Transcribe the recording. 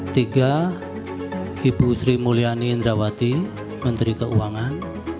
tiga ibu sri mulyani indrawati menteri keuangan